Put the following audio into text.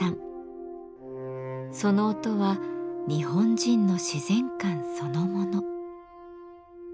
その音は日本人の自然観そのもの。